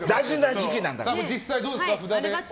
実際どうですか？